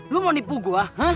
lu mau nipu gua